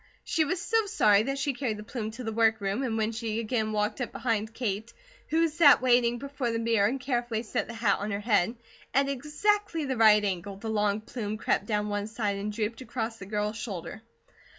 She was so sorry that she carried the plume to the work room, and when she walked up behind Kate, who sat waiting before the mirror, and carefully set the hat on her head, at exactly the right angle, the long plume crept down one side and drooped across the girl's shoulder.